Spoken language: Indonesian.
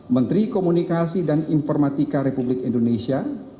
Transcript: menteri komunikasi dan informatika republik indonesia